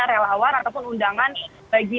relawan ataupun undangan bagi